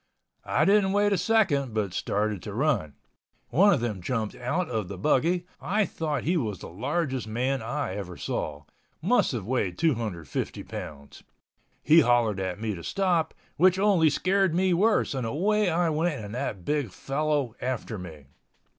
I didn't wait a second but started to run. One of them jumped out of the buggy. I thought he was the largest man I ever saw—must have weighed 250 pounds. He hollered at me to stop, which only scared me worse and away I went and that big fellow after me.